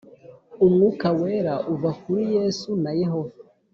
umwuka wera uva kuri Yesu na Yehova